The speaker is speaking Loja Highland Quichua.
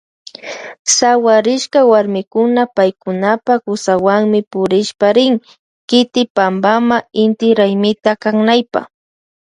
Sawarishka warmikuna paykunapa kusawanmi purishpa rin kiti pampama inti raymita aknaypa.